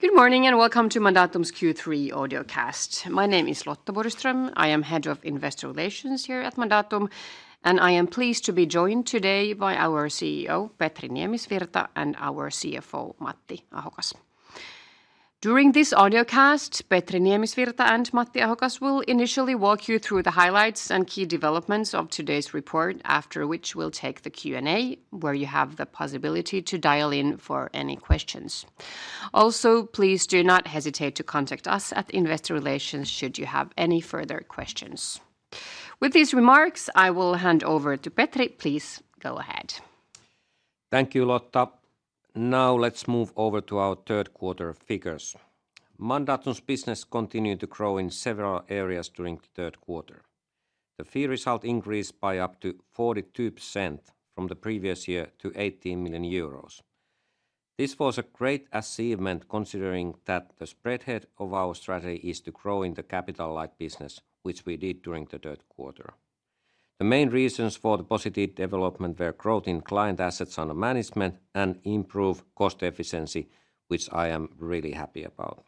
Good morning and welcome to Mandatum's Q3 Audiocast. My name is Lotta Borgström. I am head of investor relations here at Mandatum, and I am pleased to be joined today by our CEO, Petri Niemisvirta, and our CFO, Matti Ahokas. During this audiocast, Petri Niemisvirta and Matti Ahokas will initially walk you through the highlights and key developments of today's report, after which we'll take the Q&A, where you have the possibility to dial in for any questions. Also, please do not hesitate to contact us at investor relations should you have any further questions. With these remarks, I will hand over to Petri. Please go ahead. Thank you, Lotta. Now let's move over to our third quarter figures. Mandatum's business continued to grow in several areas during the third quarter. The fee result increased by up to 42% from the previous year to 18 million euros. This was a great achievement considering that the spearhead of our strategy is to grow in the capital-like business, which we did during the third quarter. The main reasons for the positive development were growth in client assets under management and improved cost efficiency, which I am really happy about.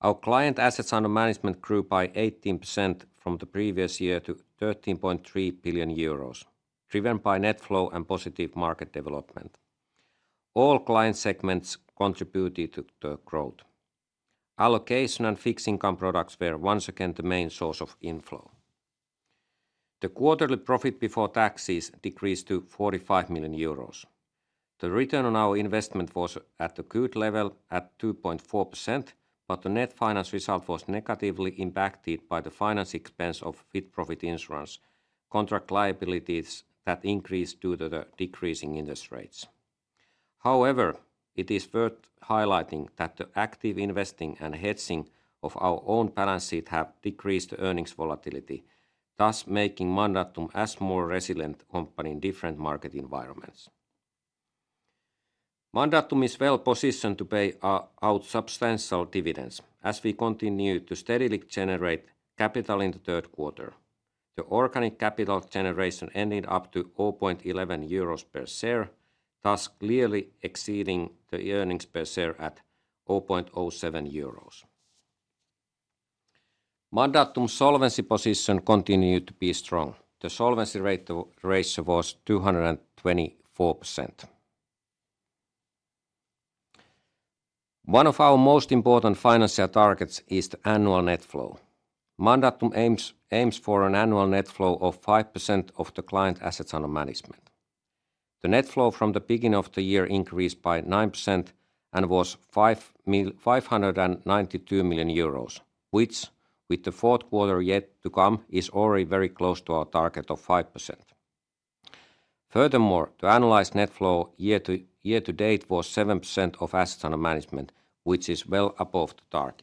Our client assets under management grew by 18% from the previous year to 13.3 billion euros, driven by net flow and positive market development. All client segments contributed to the growth. Allocation and fixed income products were once again the main source of inflow. The quarterly profit before taxes decreased to 45 million euros. The return on our investment was at a good level at 2.4%, but the net finance result was negatively impacted by the finance expense of with-profit insurance contract liabilities that increased due to the decreasing interest rates. However, it is worth highlighting that the active investing and hedging of our own balance sheet have decreased earnings volatility, thus making Mandatum a more resilient company in different market environments. Mandatum is well positioned to pay out substantial dividends as we continue to steadily generate capital in the third quarter. The organic capital generation ended up to 0.11 euros per share, thus clearly exceeding the earnings per share at 0.07 euros. Mandatum's solvency position continued to be strong. The solvency ratio was 224%. One of our most important financial targets is the annual net flow. Mandatum aims for an annual net flow of 5% of the client assets under management. The net flow from the beginning of the year increased by 9% and was 592 million euros, which, with the fourth quarter yet to come, is already very close to our target of 5%. Furthermore, the annualized net flow year-to-date was 7% of assets under management, which is well above the target.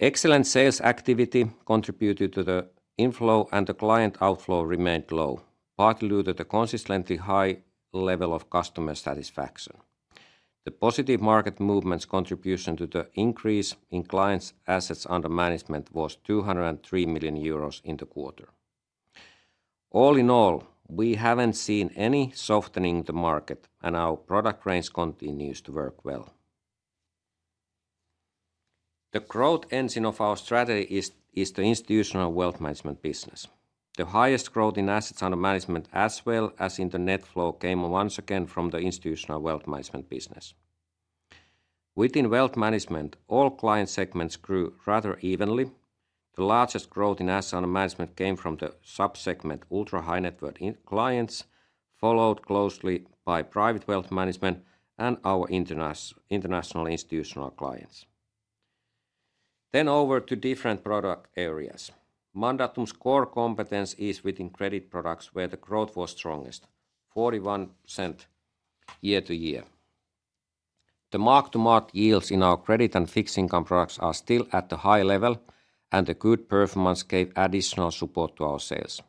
Excellent sales activity contributed to the inflow, and the client outflow remained low, partly due to the consistently high level of customer satisfaction. The positive market movement's contribution to the increase in client assets under management was 203 million euros in the quarter. All in all, we haven't seen any softening in the market, and our product range continues to work well. The growth engine of our strategy is the institutional wealth management business. The highest growth in assets under management, as well as in the net flow, came once again from the institutional wealth management business. Within wealth management, all client segments grew rather evenly. The largest growth in assets under management came from the subsegment ultra-high net worth clients, followed closely by private wealth management and our international institutional clients. Then over to different product areas. Mandatum's core competence is within credit products, where the growth was strongest, 41% year to year. The mark-to-market yields in our credit and fixed income products are still at a high level, and the good performance gave additional support to our sales.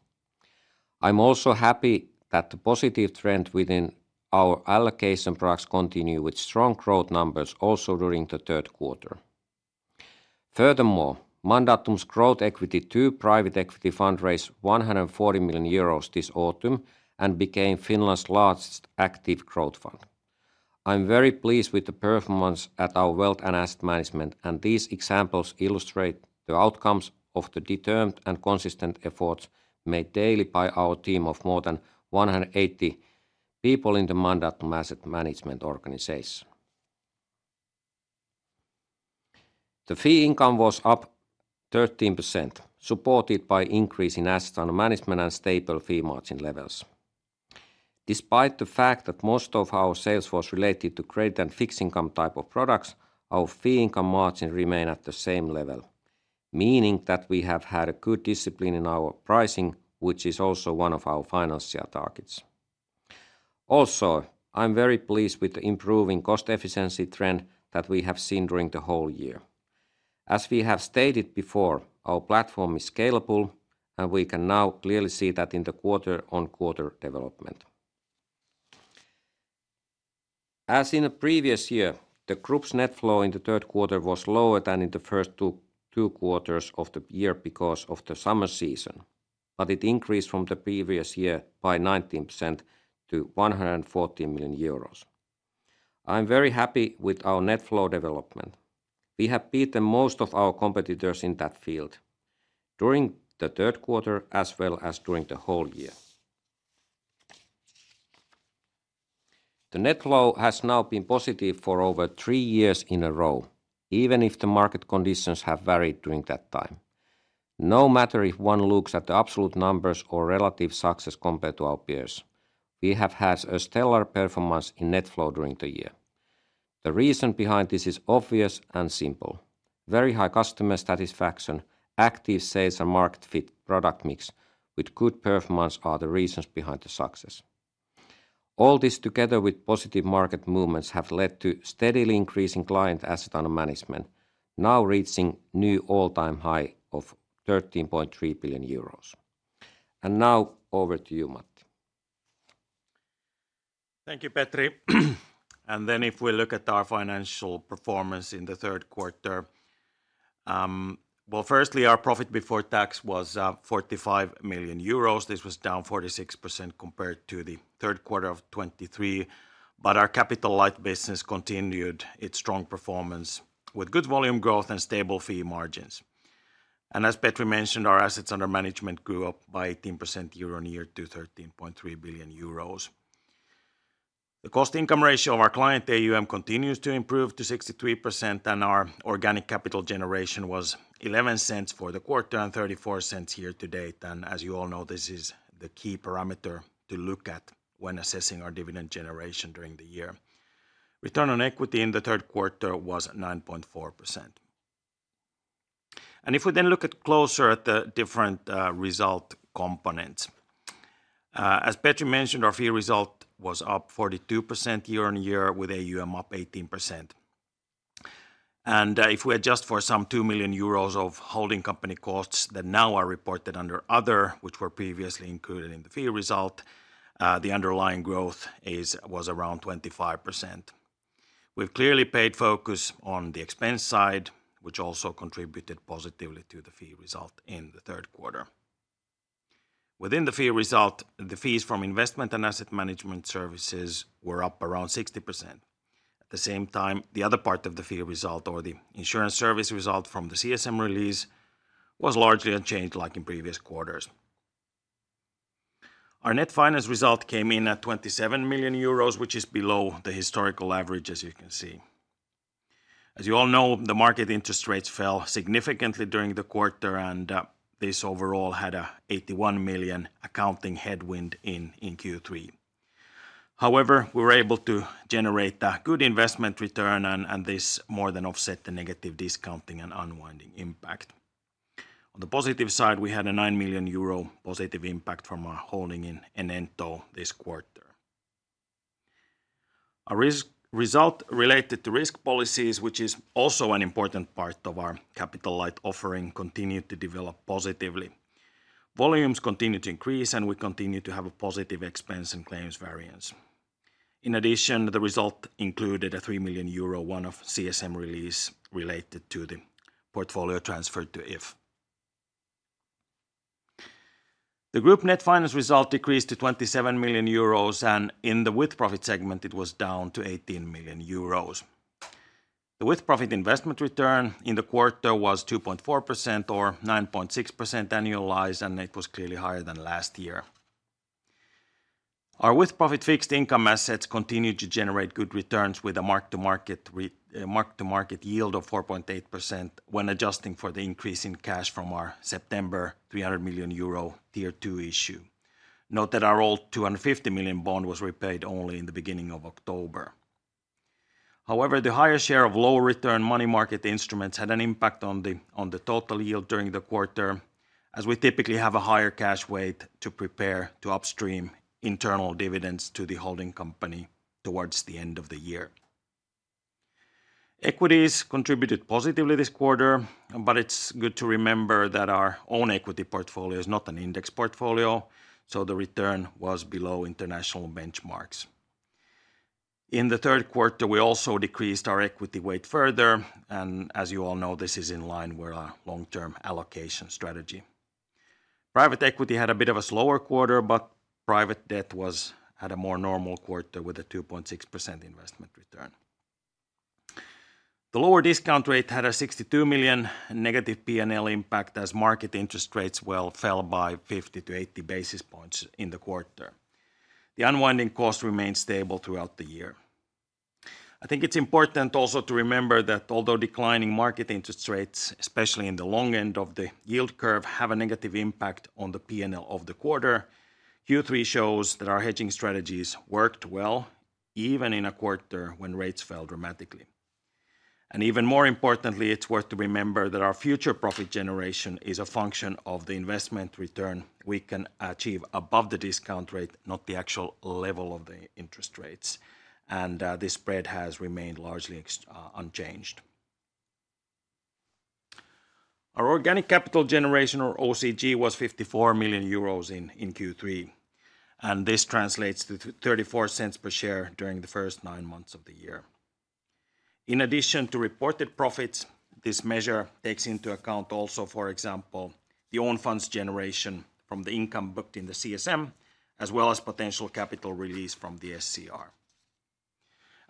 I'm also happy that the positive trend within our allocation products continued with strong growth numbers also during the third quarter. Furthermore, Mandatum Growth Equity Fund raised 140 million euros this autumn and became Finland's largest active growth fund. I'm very pleased with the performance at our wealth and asset management, and these examples illustrate the outcomes of the determined and consistent efforts made daily by our team of more than 180 people in the Mandatum Asset Management. The fee income was up 13%, supported by an increase in assets under management and stable fee margin levels. Despite the fact that most of our sales was related to credit and fixed income type of products, our fee income margin remained at the same level, meaning that we have had a good discipline in our pricing, which is also one of our financial targets. Also, I'm very pleased with the improving cost efficiency trend that we have seen during the whole year. As we have stated before, our platform is scalable, and we can now clearly see that in the quarter-on-quarter development. As in the previous year, the group's net flow in the third quarter was lower than in the first two quarters of the year because of the summer season, but it increased from the previous year by 19% to 140 million euros. I'm very happy with our net flow development. We have beaten most of our competitors in that field during the third quarter as well as during the whole year. The net flow has now been positive for over three years in a row, even if the market conditions have varied during that time. No matter if one looks at the absolute numbers or relative success compared to our peers, we have had a stellar performance in net flow during the year. The reason behind this is obvious and simple. Very high customer satisfaction, active sales, and market fit product mix with good performance are the reasons behind the success. All this together with positive market movements have led to steadily increasing client assets under management, now reaching new all-time high of 13.3 billion euros, and now over to you, Matti. Thank you, Petri. And then if we look at our financial performance in the third quarter, well, firstly, our profit before tax was 45 million euros. This was down 46% compared to the third quarter of 2023, but our capital-like business continued its strong performance with good volume growth and stable fee margins. And as Petri mentioned, our assets under management grew up by 18% year on year to 13.3 billion euros. The cost income ratio of our client AUM continues to improve to 63%, and our organic capital generation was 0.11 for the quarter and 0.34 year to date. And as you all know, this is the key parameter to look at when assessing our dividend generation during the year. Return on equity in the third quarter was 9.4%. And if we then look closer at the different result components, as Petri mentioned, our fee result was up 42% year on year with AUM up 18%. And if we adjust for some 2 million euros of holding company costs that now are reported under other, which were previously included in the fee result, the underlying growth was around 25%. We've clearly paid focus on the expense side, which also contributed positively to the fee result in the third quarter. Within the fee result, the fees from investment and asset management services were up around 60%. At the same time, the other part of the fee result, or the insurance service result from the CSM release, was largely unchanged like in previous quarters. Our net finance result came in at 27 million euros, which is below the historical average, as you can see. As you all know, the market interest rates fell significantly during the quarter, and this overall had an 81 million EUR accounting headwind in Q3. However, we were able to generate a good investment return, and this more than offset the negative discounting and unwinding impact. On the positive side, we had a 9 million euro positive impact from our holding in Enento this quarter. Our result related to risk policies, which is also an important part of our capital-like offering, continued to develop positively. Volumes continued to increase, and we continued to have a positive expense and claims variance. In addition, the result included a 3 million euro one-off CSM release related to the portfolio transfer to If. The group net finance result decreased to 27 million euros, and in the With-Profit segment, it was down to 18 million euros. The With-Profit investment return in the quarter was 2.4% or 9.6% annualized, and it was clearly higher than last year. Our With-Profit fixed income assets continued to generate good returns with a mark-to-market yield of 4.8% when adjusting for the increase in cash from our September 300 million euro Tier 2 issue. Note that our old 250 million bond was repaid only in the beginning of October. However, the higher share of low return money market instruments had an impact on the total yield during the quarter, as we typically have a higher cash weight to prepare to upstream internal dividends to the holding company towards the end of the year. Equities contributed positively this quarter, but it's good to remember that our own equity portfolio is not an index portfolio, so the return was below international benchmarks. In the third quarter, we also decreased our equity weight further, and as you all know, this is in line with our long-term allocation strategy. Private equity had a bit of a slower quarter, but private debt had a more normal quarter with a 2.6% investment return. The lower discount rate had a 62 million negative P&L impact as market interest rates fell by 50 to 80 basis points in the quarter. The unwinding cost remained stable throughout the year. I think it's important also to remember that although declining market interest rates, especially in the long end of the yield curve, have a negative impact on the P&L of the quarter, Q3 shows that our hedging strategies worked well even in a quarter when rates fell dramatically. Even more importantly, it's worth to remember that our future profit generation is a function of the investment return we can achieve above the discount rate, not the actual level of the interest rates, and this spread has remained largely unchanged. Our organic capital generation or OCG was 54 million euros in Q3, and this translates to 0.34 per share during the first nine months of the year. In addition to reported profits, this measure takes into account also, for example, the own funds generation from the income booked in the CSM, as well as potential capital released from the SCR.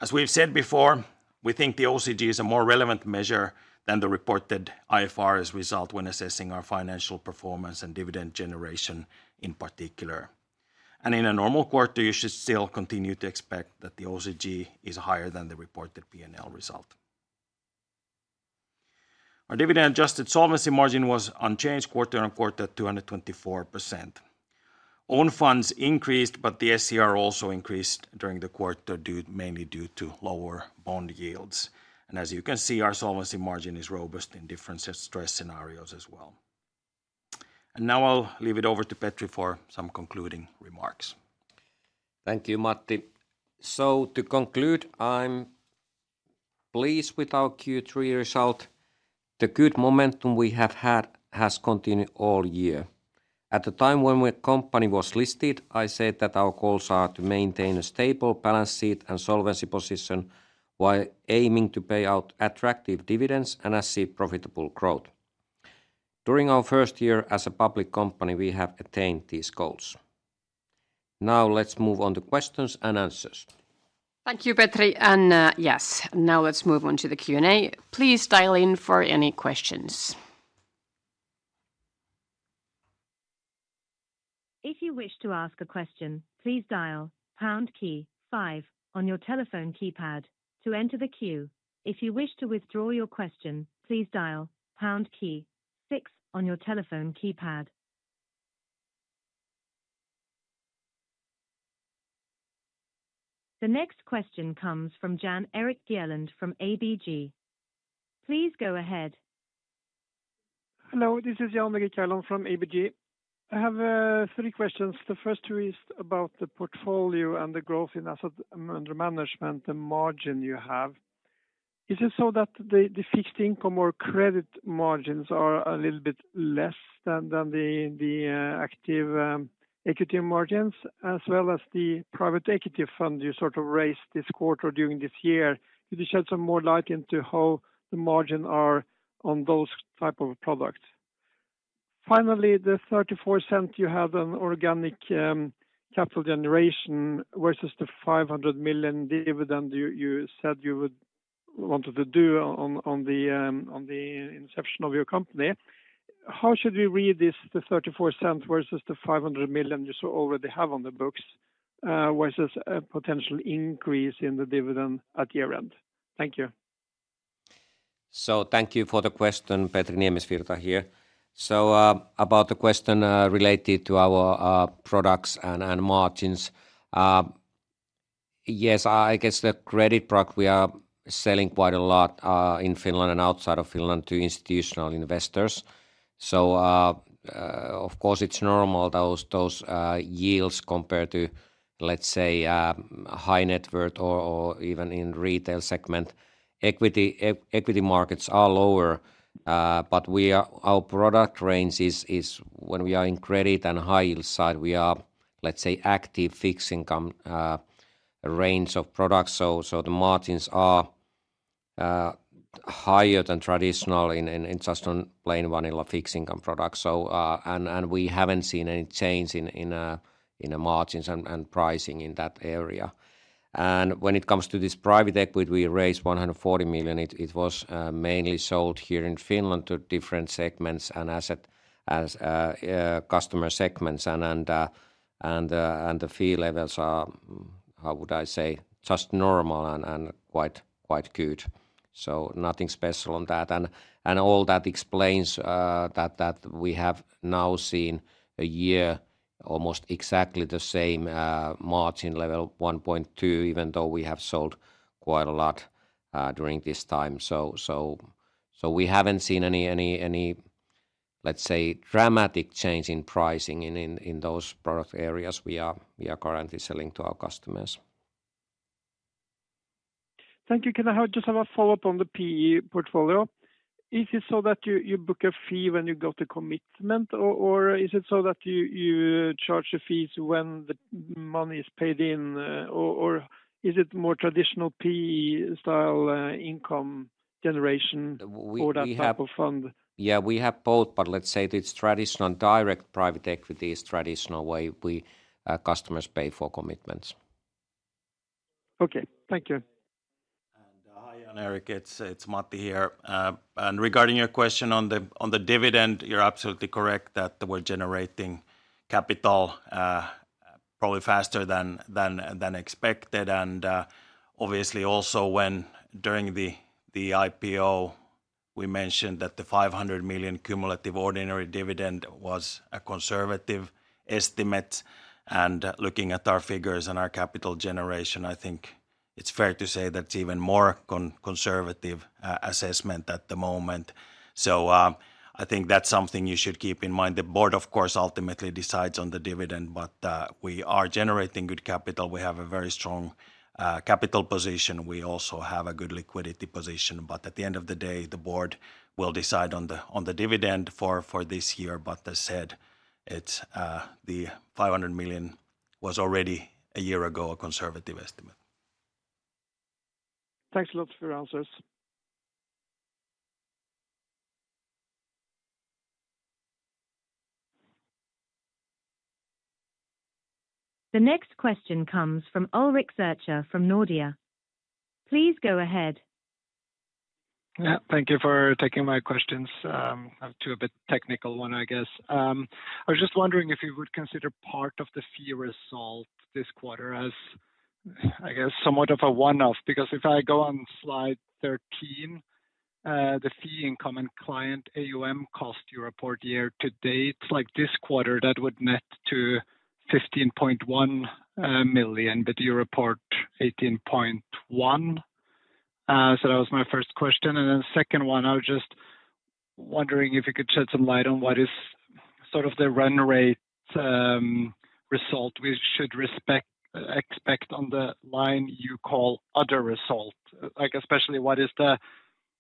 As we've said before, we think the OCG is a more relevant measure than the reported IFRS result when assessing our financial performance and dividend generation in particular. And in a normal quarter, you should still continue to expect that the OCG is higher than the reported P&L result. Our dividend adjusted solvency margin was unchanged quarter on quarter at 224%. Own funds increased, but the SCR also increased during the quarter mainly due to lower bond yields. And as you can see, our solvency margin is robust in different stress scenarios as well. And now I'll leave it over to Petri for some concluding remarks. Thank you, Matti. So to conclude, I'm pleased with our Q3 result. The good momentum we have had has continued all year. At the time when the company was listed, I said that our goals are to maintain a stable balance sheet and solvency position while aiming to pay out attractive dividends and achieve profitable growth. During our first year as a public company, we have attained these goals. Now let's move on to questions and answers. Thank you, Petri, and yes, now let's move on to the Q&A. Please dial in for any questions. If you wish to ask a question, please dial #5 on your telephone keypad to enter the queue. If you wish to withdraw your question, please dial #6 on your telephone keypad. The next question comes from Jan Erik Gjerland from ABG. Please go ahead. Hello, this is Jan Erik Gjerland from ABG. I have three questions. The first two is about the portfolio and the growth in asset under management, the margin you have. Is it so that the fixed income or credit margins are a little bit less than the active equity margins, as well as the private equity fund you sort of raised this quarter during this year? Could you shed some more light into how the margin are on those type of products? Finally, the 0.34 you have on organic capital generation versus the 500 million dividend you said you would wanted to do on the inception of your company. How should we read this, the 0.34 versus the 500 million you already have on the books versus a potential increase in the dividend at year end? Thank you. Thank you for the question, Petri Niemisvirta here. About the question related to our products and margins, yes, I guess the credit product we are selling quite a lot in Finland and outside of Finland to institutional investors. Of course, it's normal those yields compared to, let's say, high net worth or even in retail segment. Equity markets are lower, but our product range is when we are in credit and high yield side, we are, let's say, active fixed income range of products. The margins are higher than traditional and just on plain vanilla fixed income products. We haven't seen any change in margins and pricing in that area. When it comes to this private equity, we raised 140 million. It was mainly sold here in Finland to different segments and asset customer segments. The fee levels are, how would I say, just normal and quite good. Nothing special on that. All that explains that we have now seen a year almost exactly the same margin level, 1.2, even though we have sold quite a lot during this time. We haven't seen any, let's say, dramatic change in pricing in those product areas we are currently selling to our customers. Thank you. Can I just have a follow-up on the PE portfolio? Is it so that you book a fee when you go to commitment, or is it so that you charge the fees when the money is paid in, or is it more traditional PE style income generation or that type of fund? Yeah, we have both, but let's say it's traditional direct private equity. It's traditional way customers pay for commitments. Okay, thank you. Hi, Jan Erik, it's Matti here. Regarding your question on the dividend, you're absolutely correct that we're generating capital probably faster than expected. Obviously also when during the IPO, we mentioned that the 500 million cumulative ordinary dividend was a conservative estimate. Looking at our figures and our capital generation, I think it's fair to say that it's even more conservative assessment at the moment. I think that's something you should keep in mind. The board, of course, ultimately decides on the dividend, but we are generating good capital. We have a very strong capital position. We also have a good liquidity position, but at the end of the day, the board will decide on the dividend for this year. As I said, the 500 million was already a year ago a conservative estimate. Thanks a lot for your answers. The next question comes from Ulrik Zürcher from Nordea. Please go ahead. Thank you for taking my questions. I have two a bit technical one, I guess. I was just wondering if you would consider part of the fee result this quarter as, I guess, somewhat of a one-off, because if I go on slide 13, the fee income and client AUM vs your report year to date, like this quarter, that would net to 15.1 million, but you report 18.1. So that was my first question. And then second one, I was just wondering if you could shed some light on what is sort of the run rate result we should expect on the line you call other result, like especially what is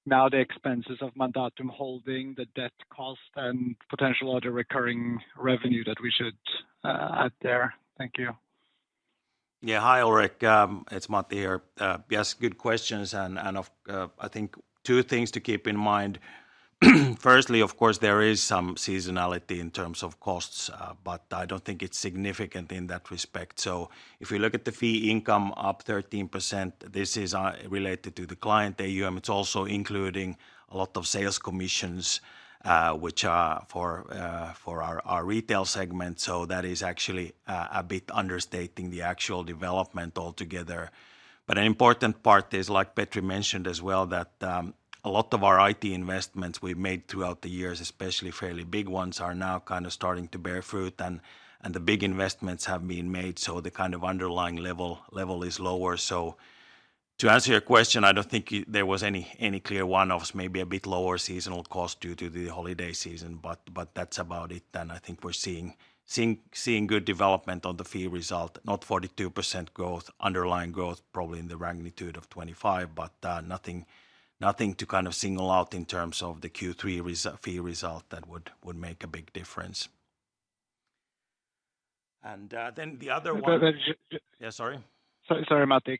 now the expenses of Mandatum holding, the debt cost, and potential other recurring revenue that we should add there. Thank you. Yeah, hi, Ulrik. It's Matti here. Yes, good questions, and I think two things to keep in mind. Firstly, of course, there is some seasonality in terms of costs, but I don't think it's significant in that respect, so if you look at the fee income up 13%, this is related to the client AUM. It's also including a lot of sales commissions, which are for our retail segment, so that is actually a bit understating the actual development altogether, but an important part is, like Petri mentioned as well, that a lot of our IT investments we've made throughout the years, especially fairly big ones, are now kind of starting to bear fruit, and the big investments have been made, so the kind of underlying level is lower. To answer your question, I don't think there was any clear one-offs, maybe a bit lower seasonal cost due to the holiday season, but that's about it. And I think we're seeing good development on the fee result, not 42% growth, underlying growth probably in the magnitude of 25, but nothing to kind of single out in terms of the Q3 fee result that would make a big difference. And then the other one. Yeah, sorry. Sorry, Matti.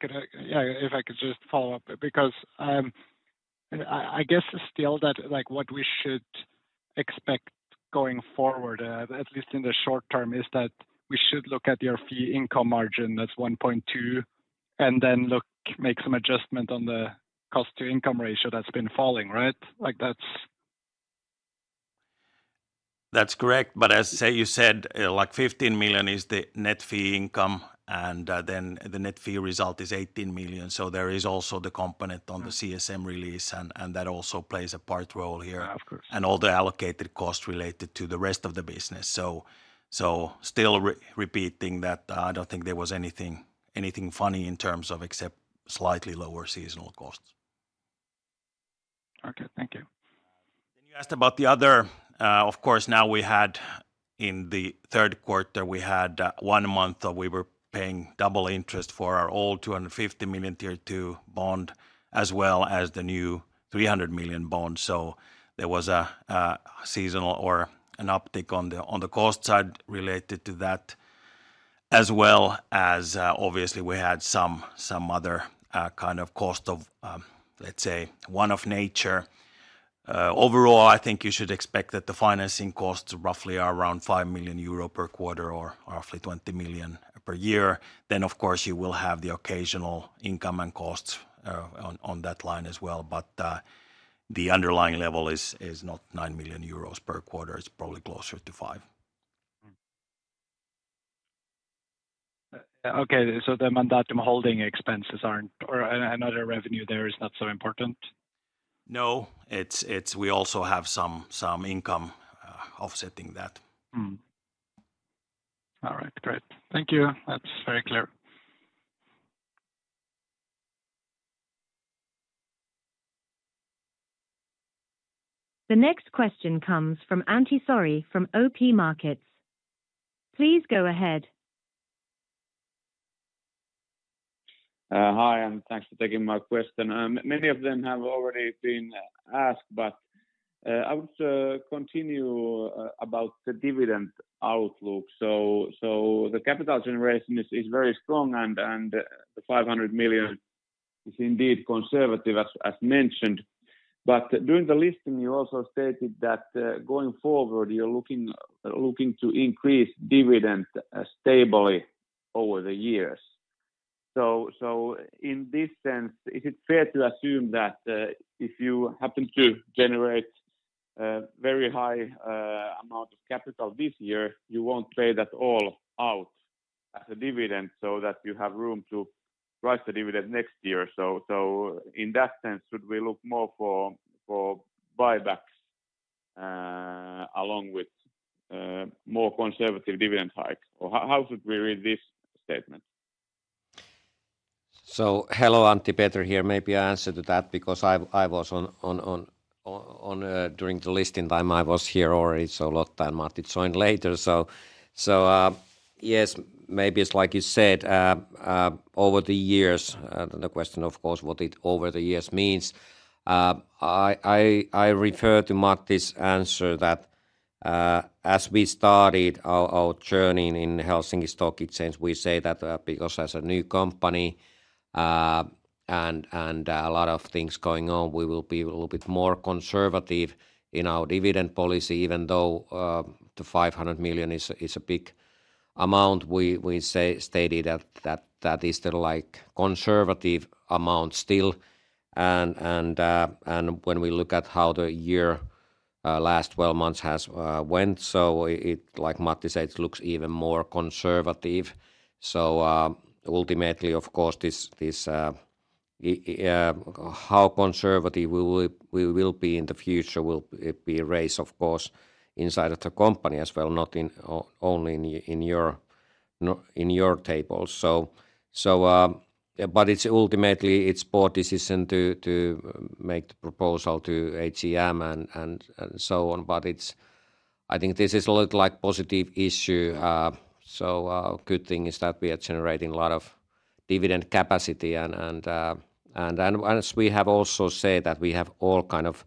Yeah, if I could just follow up, because I guess still that what we should expect going forward, at least in the short term, is that we should look at your fee income margin that's 1.2 and then make some adjustment on the cost to income ratio that's been falling, right? That's correct. But as you said, like 15 million is the net fee income, and then the net fee result is 18 million. So there is also the component on the CSM release, and that also plays a part role here. And all the allocated costs related to the rest of the business. So still repeating that I don't think there was anything funny in terms of except slightly lower seasonal costs. Okay, thank you. Then you asked about the other. Of course, now we had in the third quarter, we had one month we were paying double interest for our old 250 million Tier 2 bond, as well as the new 300 million bond. So there was a seasonal or an uptick on the cost side related to that, as well as obviously we had some other kind of cost of, let's say, one-off nature. Overall, I think you should expect that the financing costs roughly are around 5 million euro per quarter or roughly 20 million EUR per year. Then, of course, you will have the occasional income and costs on that line as well. But the underlying level is not 9 million euros per quarter. It's probably closer to 5. Okay, so the Mandatum holding expenses aren't or another revenue there is not so important? No, we also have some income offsetting that. All right, great. Thank you. That's very clear. The next question comes from Antti Saari from OP Markets. Please go ahead. Hi, and thanks for taking my question. Many of them have already been asked, but I would continue about the dividend outlook. So the capital generation is very strong, and the 500 million is indeed conservative, as mentioned. But during the listing, you also stated that going forward, you're looking to increase dividend stably over the years. So in this sense, is it fair to assume that if you happen to generate a very high amount of capital this year, you won't pay that all out as a dividend so that you have room to raise the dividend next year? So in that sense, should we look more for buybacks along with more conservative dividend hikes? Or how should we read this statement? So hello, Antti. Petri here. Maybe I answered that because I was on during the listing time, I was here already, so a lot of time Matti joined later. So yes, maybe it's like you said, over the years, the question, of course, what it over the years means. I refer to Matti's answer that as we started our journey in Helsinki Stock Exchange, we say that because as a new company and a lot of things going on, we will be a little bit more conservative in our dividend policy, even though the 500 million is a big amount. We stated that that is the conservative amount still. And when we look at how the year last 12 months has went, so like Matti said, it looks even more conservative. So, ultimately, of course, how conservative we will be in the future will be raised, of course, inside of the company as well, not only in your tables. But ultimately, it's board decision to make the proposal to AGM and so on. But I think this is a little like positive issue. So a good thing is that we are generating a lot of dividend capacity. And as we have also said that we have all kind of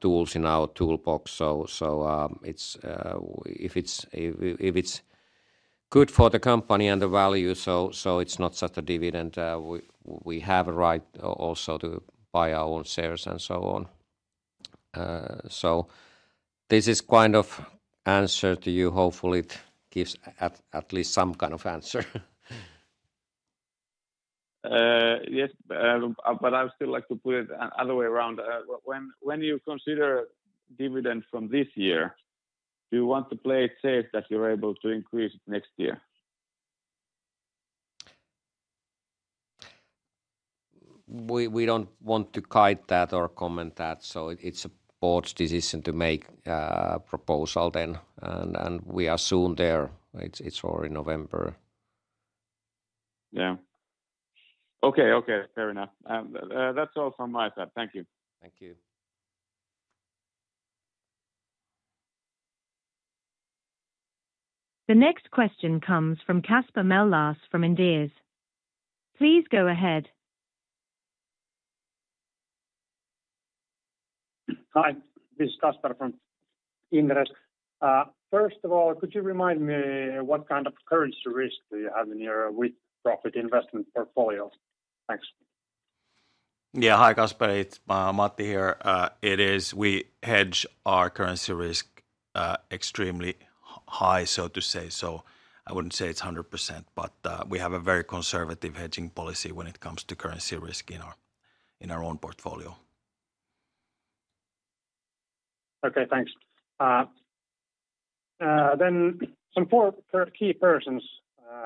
tools in our toolbox. So if it's good for the company and the value, so it's not such a dividend, we have a right also to buy our own shares and so on. So this is kind of answer to you. Hopefully, it gives at least some kind of answer. Yes, but I would still like to put it the other way around. When you consider dividend from this year, do you want to play it safe that you're able to increase it next year? We don't want to guide that or comment that. So it's a board's decision to make a proposal then. And we are soon there. It's already November. Yeah. Okay, okay. Fair enough. That's all from my side. Thank you. Thank you. The next question comes from Kasper Mellas from Inderes. Please go ahead. Hi, this is Kasper from Inderes. First of all, could you remind me what kind of currency risk do you have in your With-Profit investment portfolio? Thanks. Yeah, hi Kasper. It's Matti here. It is, we hedge our currency risk extremely high, so to say. So I wouldn't say it's 100%, but we have a very conservative hedging policy when it comes to currency risk in our own portfolio. Okay, thanks. Then some four key persons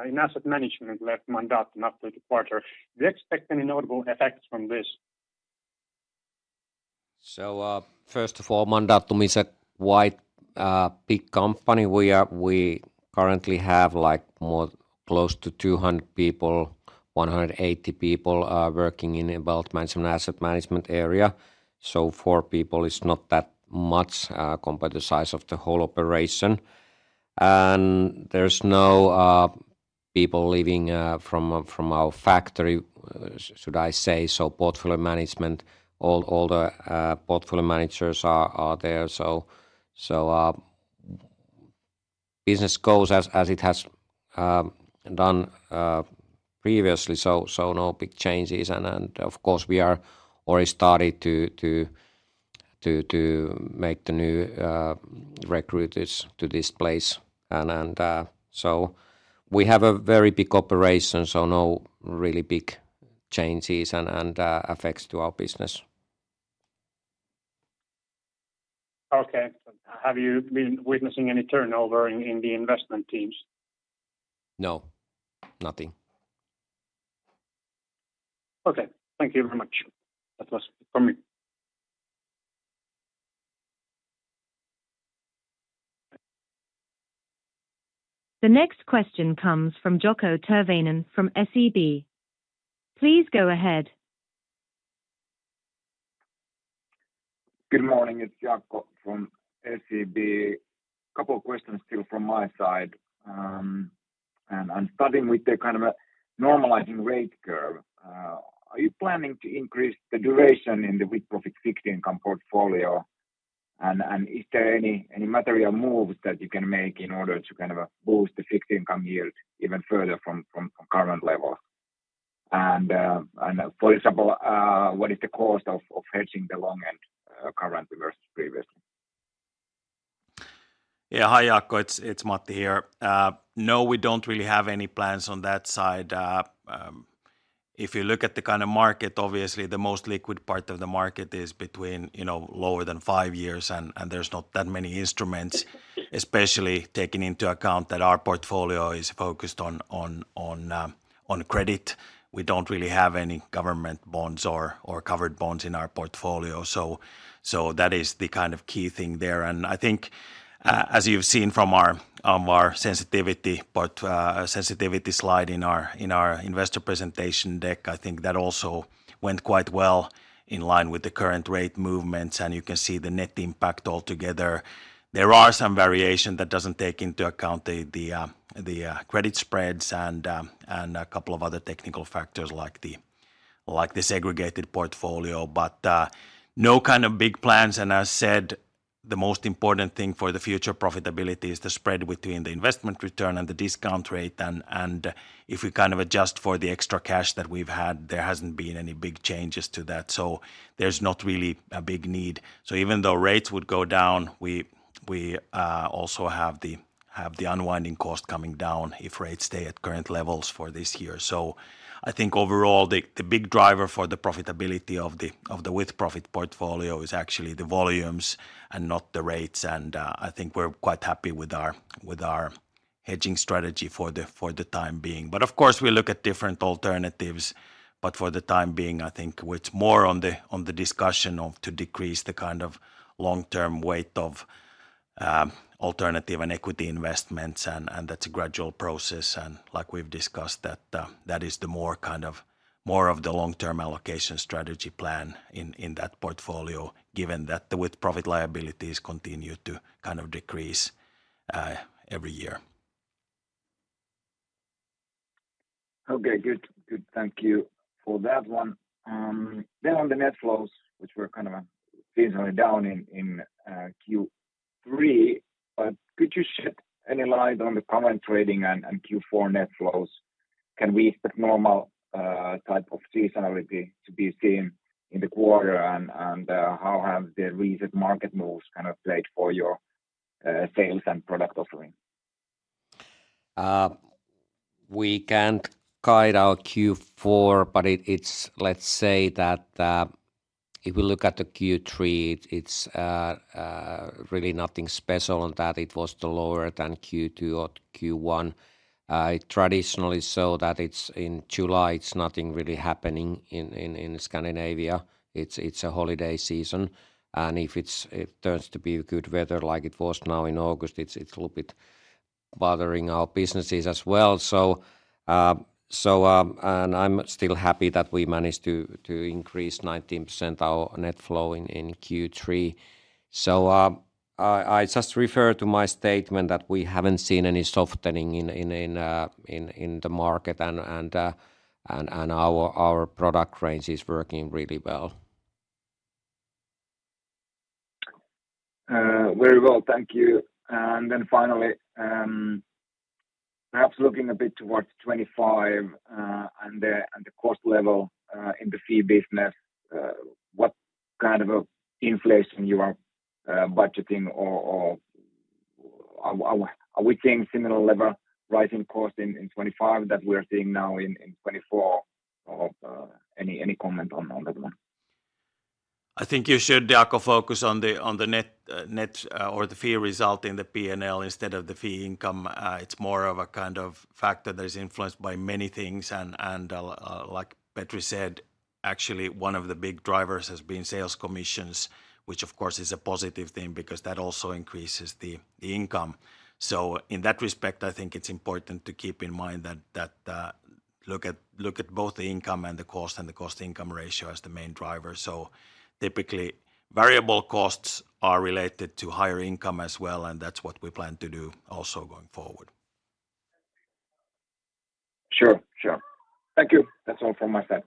in asset management left Mandatum after the quarter. Do you expect any notable effects from this? So first of all, Mandatum is a quite big company. We currently have like more close to 200 people, 180 people working in the wealth management asset management area. So four people is not that much compared to the size of the whole operation. And there's no people leaving from our factory, should I say. So portfolio management, all the portfolio managers are there. So business goes as it has done previously. So no big changes. And of course, we are already starting to make the new recruits to this place. And so we have a very big operation, so no really big changes and effects to our business. Okay. Have you been witnessing any turnover in the investment teams? No, nothing. Okay. Thank you very much. That was from me. The next question comes from Jaakko Tyrväinen from SEB. Please go ahead. Good morning. It's Jaakko from SEB. A couple of questions still from my side, and I'm starting with the kind of normalizing rate curve. Are you planning to increase the duration in the with profit fixed income portfolio? And is there any material moves that you can make in order to kind of boost the fixed income yield even further from current levels? And for example, what is the cost of hedging the long end currently versus previously? Yeah, hi Jaakko. It's Matti here. No, we don't really have any plans on that side. If you look at the kind of market, obviously the most liquid part of the market is between lower than five years, and there's not that many instruments, especially taking into account that our portfolio is focused on credit. We don't really have any government bonds or covered bonds in our portfolio. So that is the kind of key thing there. And I think, as you've seen from our sensitivity slide in our investor presentation deck, I think that also went quite well in line with the current rate movements. And you can see the net impact altogether. There are some variations that don't take into account the credit spreads and a couple of other technical factors like the segregated portfolio. But no kind of big plans. As I said, the most important thing for the future profitability is the spread between the investment return and the discount rate. And if we kind of adjust for the extra cash that we've had, there hasn't been any big changes to that. So there's not really a big need. So even though rates would go down, we also have the unwinding cost coming down if rates stay at current levels for this year. So I think overall, the big driver for the profitability of the With-Profit portfolio is actually the volumes and not the rates. And I think we're quite happy with our hedging strategy for the time being. But of course, we look at different alternatives. But for the time being, I think it's more on the discussion of to decrease the kind of long-term weight of alternative and equity investments. And that's a gradual process. Like we've discussed, that is the more kind of more of the long-term allocation strategy plan in that portfolio, given that the With-Profit liabilities continue to kind of decrease every year. Okay, good. Thank you for that one. Then on the net flows, which were kind of seasonally down in Q3, but could you shed any light on the current trading and Q4 net flows? Can we expect normal type of seasonality to be seen in the quarter? And how have the recent market moves kind of played for your sales and product offering? We can't guide our Q4, but let's say that if we look at the Q3, it's really nothing special on that. It was lower than Q2 or Q1. Traditionally, so that it's in July, it's nothing really happening in Scandinavia. It's a holiday season, and if it turns to be good weather like it was now in August, it's a little bit bothering our businesses as well. I'm still happy that we managed to increase 19% our net flow in Q3, so I just refer to my statement that we haven't seen any softening in the market, and our product range is working really well. Very well. Thank you. And then finally, perhaps looking a bit towards 2025 and the cost level in the fee business, what kind of inflation you are budgeting? Are we seeing similar level rising cost in 2025 that we are seeing now in 2024? Or any comment on that one? I think you should, Jaakko, focus on the net or the fee result in the P&L instead of the fee income. It's more of a kind of factor that is influenced by many things. And like Petri said, actually one of the big drivers has been sales commissions, which of course is a positive thing because that also increases the income. So in that respect, I think it's important to keep in mind that look at both the income and the cost and the cost-income ratio as the main driver. So typically variable costs are related to higher income as well. And that's what we plan to do also going forward. Sure, sure. Thank you. That's all from my side.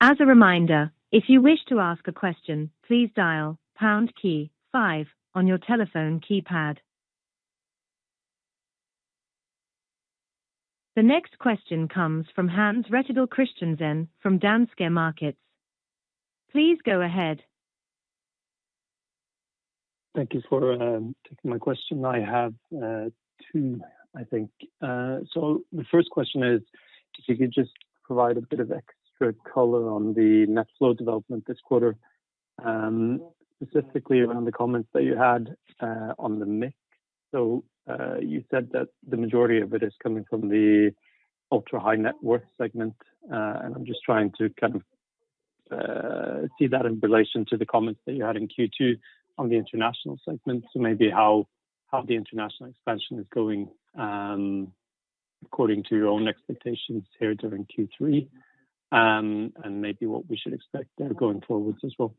As a reminder, if you wish to ask a question, please dial pound key five on your telephone keypad. The next question comes from Hans Rettedal Christiansen from Danske Bank. Please go ahead. Thank you for taking my question. I have two, I think. So the first question is, if you could just provide a bit of extra color on the net flow development this quarter, specifically around the comments that you had on the MIC. So you said that the majority of it is coming from the ultra high net worth segment. And I'm just trying to kind of see that in relation to the comments that you had in Q2 on the international segment. So maybe how the international expansion is going according to your own expectations here during Q3 and maybe what we should expect going forwards as well.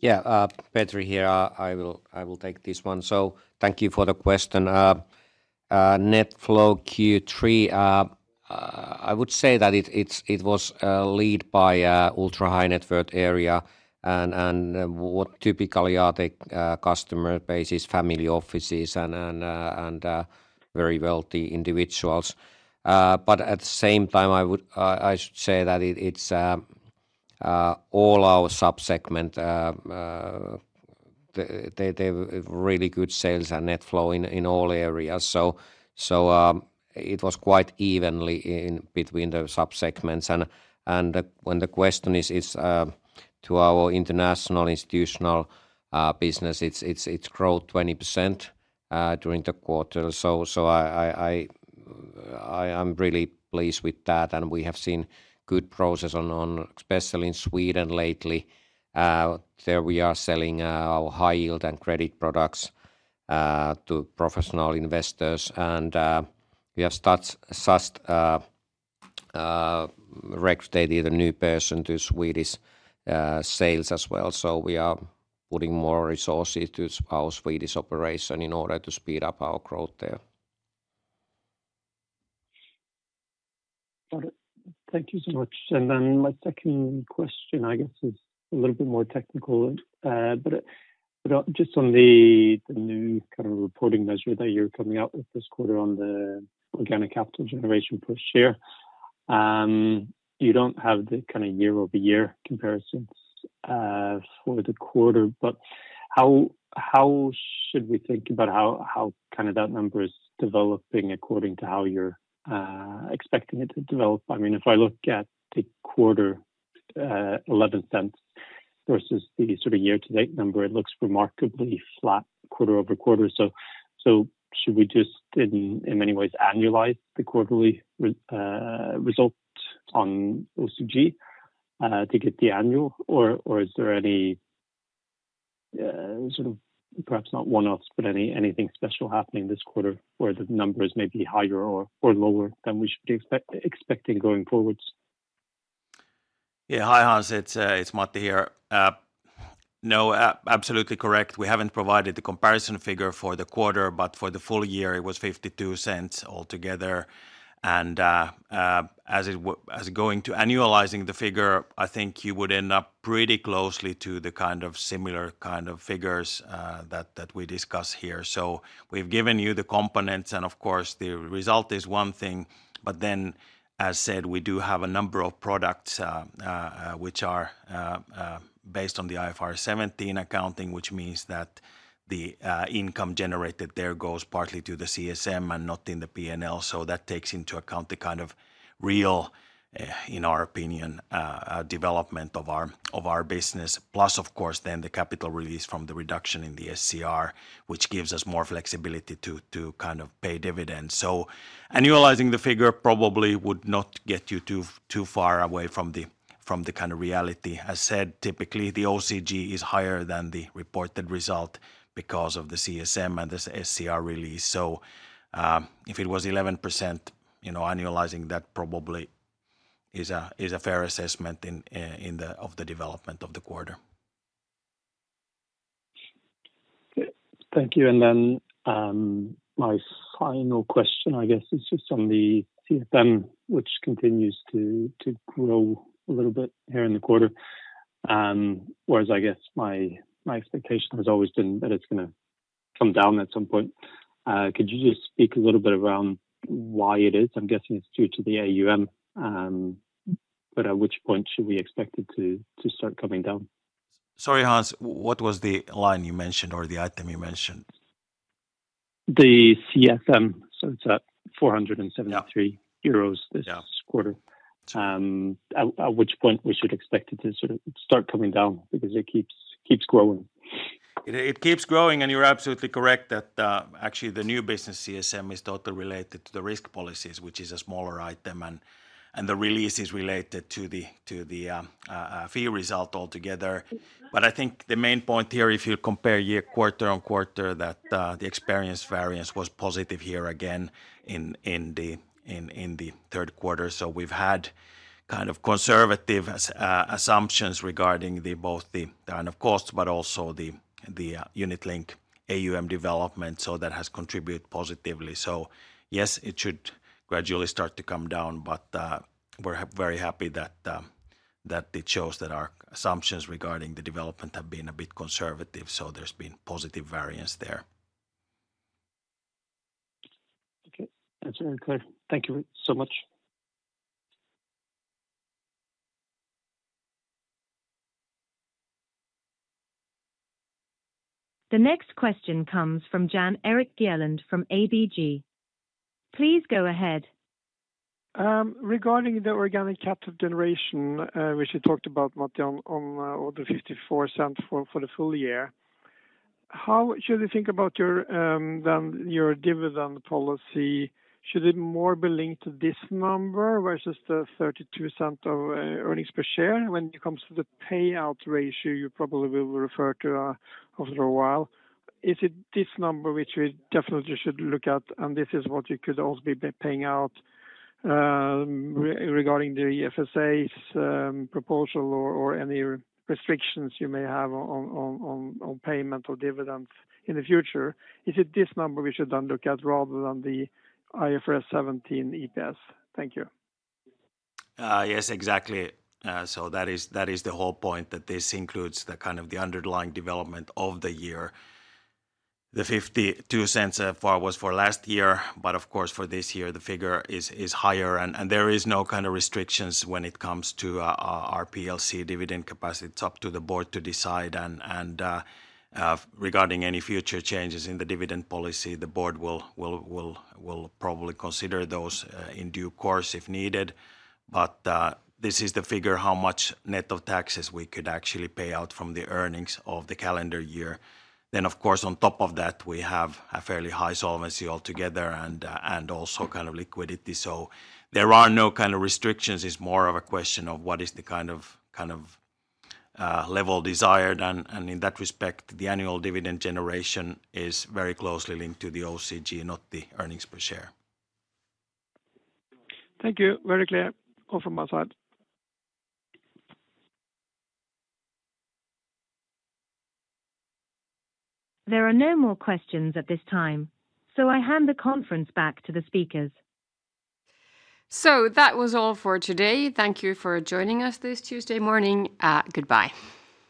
Yeah, Petri here. I will take this one. So thank you for the question. Net flow Q3, I would say that it was led by ultra high net worth area. And what typically are the customer bases, family offices, and very wealthy individuals. But at the same time, I should say that it's all our subsegment. They have really good sales and net flow in all areas. So it was quite evenly between the subsegments. And when the question is to our international institutional business, it's grown 20% during the quarter. So I'm really pleased with that. And we have seen good progress, especially in Sweden lately. There we are selling our high yield and credit products to professional investors. And we have just recruited a new person to Swedish sales as well. We are putting more resources to our Swedish operation in order to speed up our growth there. Thank you so much. And then my second question, I guess, is a little bit more technical. But just on the new kind of reporting measure that you're coming out with this quarter on the organic capital generation per share, you don't have the kind of year-over-year comparisons for the quarter. But how should we think about how kind of that number is developing according to how you're expecting it to develop? I mean, if I look at the quarter 0.11 versus the sort of year-to-date number, it looks remarkably flat quarter over quarter. So should we just in many ways annualize the quarterly result on OCG to get the annual? Or is there any sort of perhaps not one-offs, but anything special happening this quarter where the numbers may be higher or lower than we should be expecting going forwards? Yeah, hi Hans. It's Matti here. No, absolutely correct. We haven't provided the comparison figure for the quarter, but for the full year, it was 0.52 altogether. And as going to annualizing the figure, I think you would end up pretty closely to the kind of similar kind of figures that we discuss here. So we've given you the components. And of course, the result is one thing. But then, as said, we do have a number of products which are based on the IFRS 17 accounting, which means that the income generated there goes partly to the CSM and not in the P&L. So that takes into account the kind of real, in our opinion, development of our business. Plus, of course, then the capital release from the reduction in the SCR, which gives us more flexibility to kind of pay dividends. So annualizing the figure probably would not get you too far away from the kind of reality. As said, typically the OCG is higher than the reported result because of the CSM and the SCR release. So if it was 11% annualizing, that probably is a fair assessment of the development of the quarter. Thank you. And then my final question, I guess, is just on the CSM, which continues to grow a little bit here in the quarter. Whereas I guess my expectation has always been that it's going to come down at some point. Could you just speak a little bit around why it is? I'm guessing it's due to the AUM. But at which point should we expect it to start coming down? Sorry, Hans. What was the line you mentioned or the item you mentioned? The CSM. So it's at 473 euros this quarter. At which point we should expect it to sort of start coming down because it keeps growing. It keeps growing. And you're absolutely correct that actually the new business CSM is totally related to the risk policies, which is a smaller item. And the release is related to the fee result altogether. But I think the main point here, if you compare year quarter on quarter, that the experience variance was positive here again in the third quarter. So we've had kind of conservative assumptions regarding both the kind of cost, but also the unit link AUM development. So that has contributed positively. So yes, it should gradually start to come down. But we're very happy that it shows that our assumptions regarding the development have been a bit conservative. So there's been positive variance there. Okay. That's very clear. Thank you so much. The next question comes from Jan Erik Gjerland from ABG. Please go ahead. Regarding the organic capital generation, which you talked about, Matti, on the 0.54 for the full year, how should you think about then your dividend policy? Should it more be linked to this number versus the 0.32 of earnings per share? When it comes to the payout ratio, you probably will refer to after a while. Is it this number which we definitely should look at? And this is what you could also be paying out regarding the FSA's proposal or any restrictions you may have on payment or dividends in the future. Is it this number we should then look at rather than the IFRS 17 EPS? Thank you. Yes, exactly, so that is the whole point that this includes the kind of the underlying development of the year. The 0.52 so far was for last year, but of course, for this year, the figure is higher, and there is no kind of restrictions when it comes to our plc dividend capacity. It's up to the board to decide, and regarding any future changes in the dividend policy, the board will probably consider those in due course if needed, but this is the figure how much net of taxes we could actually pay out from the earnings of the calendar year, then, of course, on top of that, we have a fairly high solvency altogether and also kind of liquidity, so there are no kind of restrictions. It's more of a question of what is the kind of level desired. In that respect, the annual dividend generation is very closely linked to the OCG, not the earnings per share. Thank you. Very clear from my side. There are no more questions at this time. So I hand the conference back to the speakers. So that was all for today. Thank you for joining us this Tuesday morning. Goodbye.